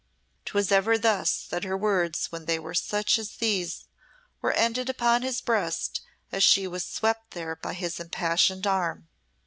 'Twas ever thus, that her words when they were such as these were ended upon his breast as she was swept there by his impassioned arm.